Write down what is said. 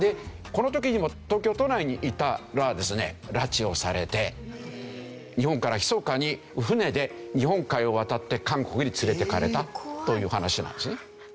この時にも東京都内にいたらですね拉致をされて日本からひそかに船で日本海を渡って韓国に連れて行かれたという話なんですね。